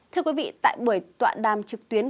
thưa quý vị tại buổi tọa đàm trực tuyến